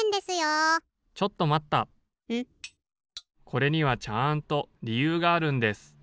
・これにはちゃんとりゆうがあるんです。